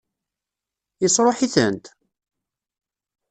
Yesṛuḥ-itent?